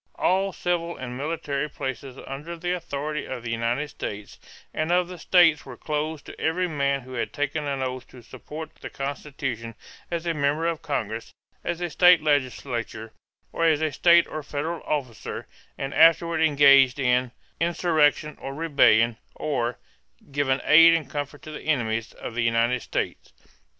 All civil and military places under the authority of the United States and of the states were closed to every man who had taken an oath to support the Constitution as a member of Congress, as a state legislator, or as a state or federal officer, and afterward engaged in "insurrection or rebellion," or "given aid and comfort to the enemies" of the United States.